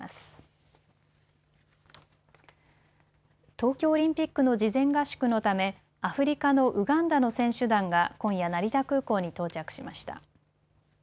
東京オリンピックの事前合宿のためアフリカのウガンダの選手団が今夜、成田空港に到着しました。